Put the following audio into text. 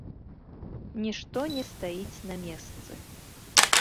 Нішто не стаіць на месцы.